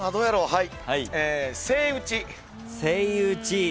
はい。